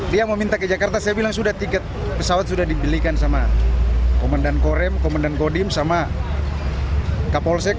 dia mau minta ke jakarta saya bilang sudah tiket pesawat sudah dibelikan sama komandan korem komandan kodim sama kapolsek